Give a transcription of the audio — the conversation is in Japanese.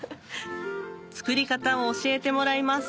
作り方を教えてもらいます